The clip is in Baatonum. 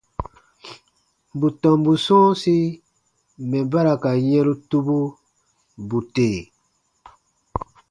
Bù tɔmbu sɔ̃ɔsi mɛ̀ ba ra ka yɛ̃ru tubu, bù tè.